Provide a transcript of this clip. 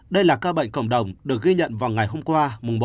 đây là ca bệnh cộng đồng được ghi nhận vào ngày hôm qua